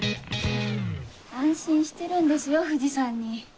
安心してるんですよ藤さんに。